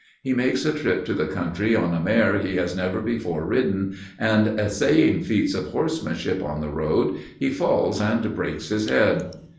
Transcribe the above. He makes a trip to the country on a mare he has never before ridden, and, essaying feats of horsemanship on the road, he falls and breaks his head.